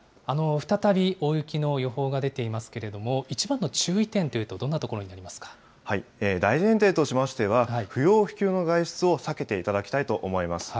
再び大雪の予報が出ていますけれども、一番の注意点というと、ど大前提としましては、不要不急の外出を避けていただきたいと思います。